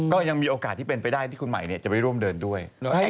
ก็ยังมีโอกาสที่เป็นไปได้ที่คุณใหม่จะไปร่วมเดินด้วย